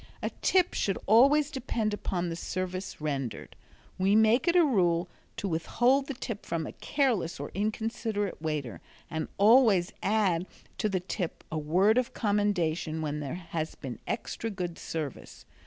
A tip should always depend upon the service rendered. We make it a rule to withhold the tip from a careless or inconsiderate waiter, and always add to the tip a word of commendation when there has been extra good service.